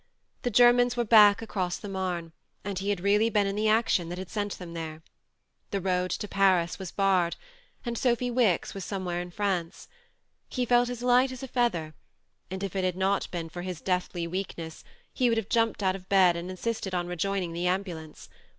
The Germans were back across the Marne, and he had really been in the action that had sent them there ! The road to Paris was barred and Sophy Wicks was somewhere in France. ... He felt as light as a feather, and if it had not been for his deathly weakness he would have jumped out of bed and insisted on rejoining the ambulance.